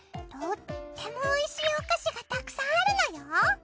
とってもおいしいお菓子がたくさんあるのよ。